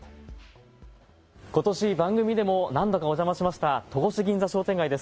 ことし番組でも何度かお邪魔しました戸越銀座商店街です。